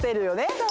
そう。